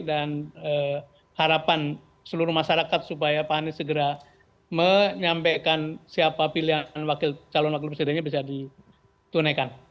dan harapan seluruh masyarakat supaya pak anies segera menyampaikan siapa pilihan calon wakil presidennya bisa ditunaikan